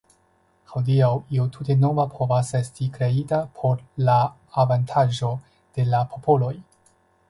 Hodiaŭ io tute nova povas esti kreita por la avantaĝo de la popoloj.